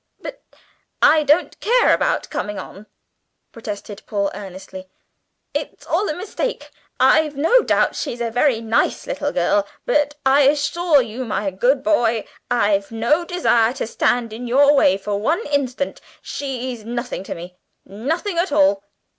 "But I don't care about coming on," protested Paul earnestly. "It's all a mistake. I've no doubt she's a very nice little girl, but I assure you, my good boy, I've no desire to stand in your way for one instant. She's nothing to me nothing at all!